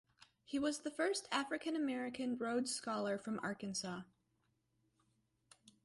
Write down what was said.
He was the first African American Rhodes scholar from Arkansas.